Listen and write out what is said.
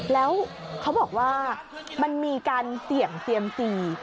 แล้วเขาบอกว่ามันมีการเสี่ยงเซียมซี